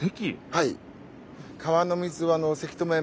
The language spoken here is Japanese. はい。